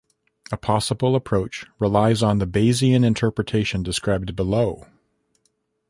A possible approach relies on the Bayesian interpretation described below.